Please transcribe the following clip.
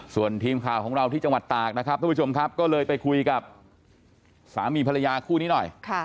ส่วนทีมข่าวของเราที่จังหวัดตากนะครับทุกผู้ชมครับก็เลยไปคุยกับสามีภรรยาคู่นี้หน่อย